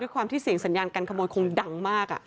ด้วยความที่เสียงสัญญากันขโมยคงดังมากอ่ะ